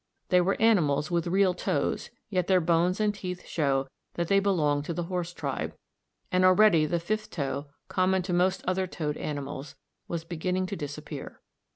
They were animals with real toes, yet their bones and teeth show that they belonged to the horse tribe, and already the fifth toe common to most other toed animals was beginning to disappear.